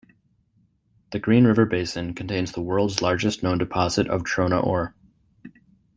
The Green River Basin contains the world's largest known deposit of trona ore.